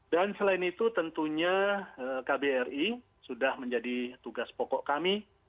dan selain itu tentunya kbri sudah menjadi tugas pokok kami